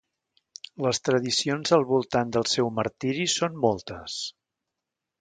Les tradicions al voltant del seu martiri són moltes.